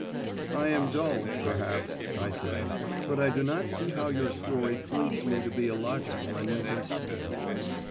"I am dull, perhaps," I said, "but I do not see how your story proves me to be illogical and inconsistent."